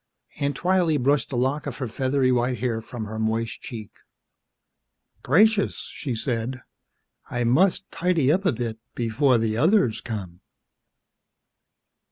Aunt Twylee brushed a lock of her feathery white hair from her moist cheek. "Gracious," she said, "I must tidy up a bit before the others come."